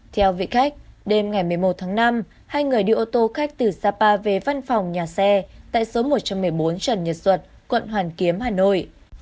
theo vị khách đêm ngày một mươi một tháng năm hai người đi ô tô khách từ sapa về văn phòng nhà xe tại số một trăm một mươi bốn trần nhật duật quận hoàn kiếm hà nội